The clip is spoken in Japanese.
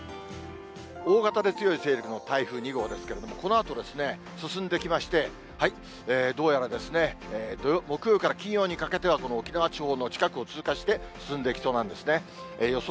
大型で強い勢力の台風２号ですけれども、このあと進んできまして、どうやら木曜から金曜にかけては、この沖縄地方の近くを通過して、進んでいきそうなんですね。予想